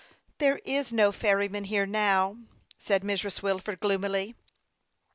" There is no ferryman here now," said Mrs. Wil ford, gloomily.